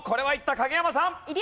影山さん。